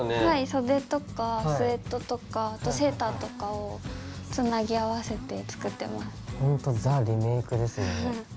はい袖とかスウェットとかセーターとかをつなぎ合わせて作ってます。